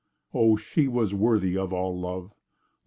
O, she was worthy of all love!